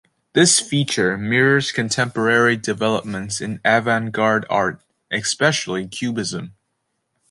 This feature mirrors contemporary developments in "avant-garde" art, especially Cubism.